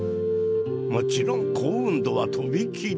もちろん幸運度は飛び切り。